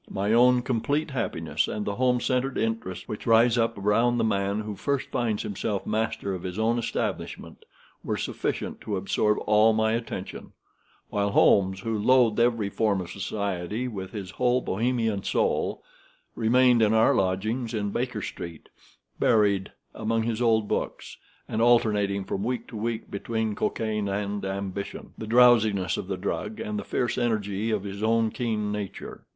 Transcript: My own complete happiness, and the home centered interests which rise up around the man who first finds himself master of his own establishment, were sufficient to absorb all my attention; while Holmes, who loathed every form of society with his whole Bohemian soul, remained in our lodgings in Baker Street, buried among his old books, and alternating from week to week between cocaine and ambition, the drowsiness of the drug and the fierce energy of his own keen nature.